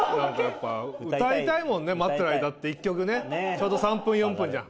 歌いたいもん待ってる間って１曲ちょうど３分４分じゃん。